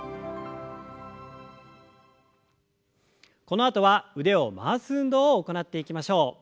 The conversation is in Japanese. このあとは腕を回す運動を行っていきましょう。